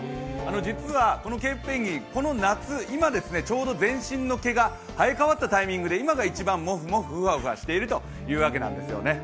実はケープペンギン、この夏、今、全身の毛が生えかわったタイミングで今が一番、もふもふふわふわしているというわけなんですよね。